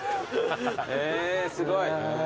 へえすごい。